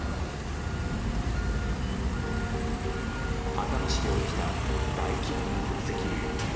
熱海市で起きた大規模な土石流。